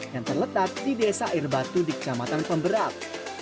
yang terletak di desa air batu di kecamatan pemberat